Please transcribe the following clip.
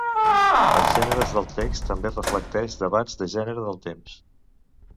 Els gèneres del text també reflecteix debats de gènere del temps.